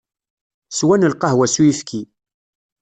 Swan lqahwa s uyefki.